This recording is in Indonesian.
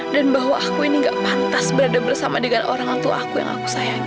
dan bahwa aku ini gak pantas berada bersama dengan orang tua aku yang aku sayangi